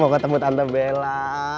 mau ketemu tante bella